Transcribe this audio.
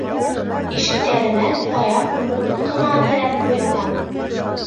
Ишектәренә таяҡ ҡына терәп ҡуйылған.